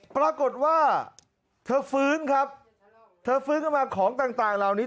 ปรากฏว่าเธอฟื้นครับเธอฟื้นขึ้นมาของต่างเหล่านี้